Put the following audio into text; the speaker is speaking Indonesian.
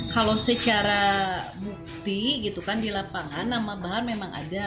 kalau secara bukti gitu kan di lapangan nama bahan memang ada